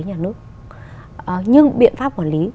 nhưng biện pháp quản lý